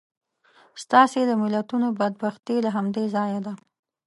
ستاسې د ملتونو بدبختي له همدې ځایه ده.